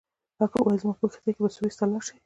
هغه وویل زما په کښتۍ کې به سویس ته لاړ شې.